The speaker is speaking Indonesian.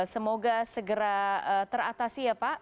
semoga segera teratasi ya pak